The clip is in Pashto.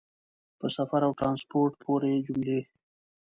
په سفر او ټرانسپورټ پورې جملې